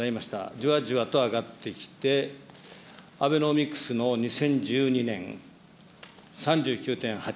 じわじわと上がってきて、アベノミクスの２０１２年、３９．８。